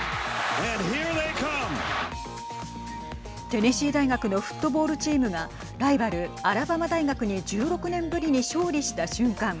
テネシー大学のフットボールチームがライバル、アラバマ大学に１６年ぶりに勝利した瞬間